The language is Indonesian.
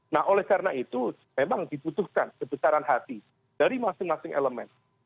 nah oleh karena itu memang dibutuhkan kebesaran hati dari masing masing elemen